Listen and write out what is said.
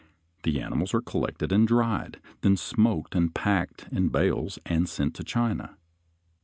The animals are collected and dried, then smoked and packed in bales and sent to China.